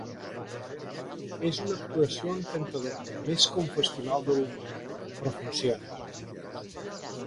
És una actuació encantadora més que un festival de l'humor, però funciona.